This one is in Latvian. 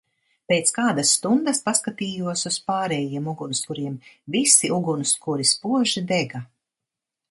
Pēc kādas stundas paskatījos uz pārējiem ugunskuriem, visi ugunskuri spoži dega.